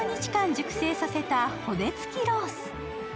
熟成させた骨付きロース。